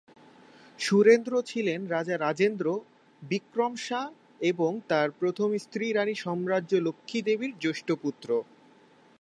সুরেন্দ্র ছিলেন রাজা রাজেন্দ্র বিক্রম শাহ এবং তার প্রথম স্ত্রী রাণী সাম্রাজ্য লক্ষ্মী দেবীর জ্যেষ্ঠ পুত্র।